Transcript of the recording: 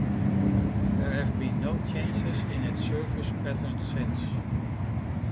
There have been no changes in its service pattern since.